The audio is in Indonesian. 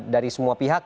dari semua pihak